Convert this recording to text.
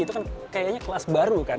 itu kan kayaknya kelas baru kan